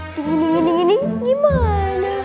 dingin dingin dingin dimana